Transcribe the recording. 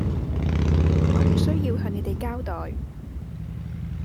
我唔需要向你哋交代